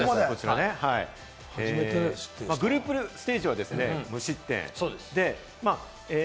グループステージは無失点。